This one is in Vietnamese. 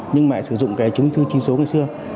nhưng mà sử dụng cái chứng thư chính số ngày xưa